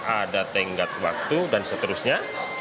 ada tenggat waktu dan seterusnya